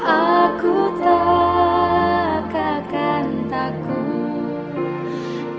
aku tak akan takut